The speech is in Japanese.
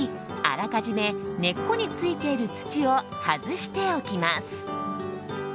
あらかじめ根っこについている土を外しておきます。